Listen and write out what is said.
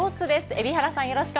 海老原さん